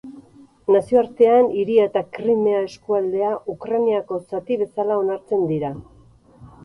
Nazioartean, hiria eta Krimea eskualdea Ukrainako zati bezala onartzen dira.